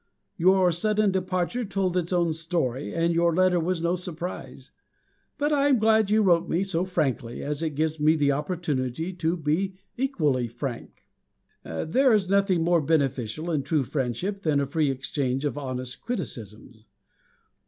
Your sudden departure told its own story, and your letter was no surprise. But I am glad you wrote me so frankly, as it gives me the opportunity to be equally frank. There is nothing more beneficial, in true friendship, than a free exchange of honest criticisms.